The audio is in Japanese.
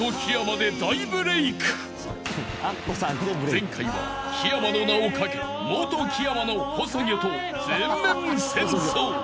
［前回は木山の名を懸け元木山の細魚と全面戦争］